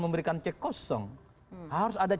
memberikan cek kosong harus ada